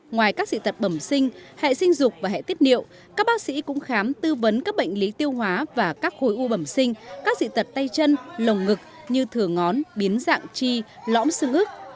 ngoài các dị tật bẩm sinh hệ sinh dục và hệ tiết niệu các bác sĩ cũng khám tư vấn các bệnh lý tiêu hóa và các khối u bẩm sinh các dị tật tay chân lồng ngực như thừa ngón biến dạng chi lõm xương ức